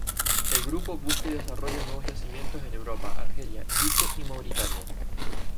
El Grupo busca y desarrolla nuevos yacimientos en Europa, Argelia, Egipto y Mauritania.